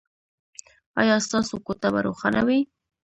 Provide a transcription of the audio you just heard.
ایا ستاسو کوټه به روښانه وي؟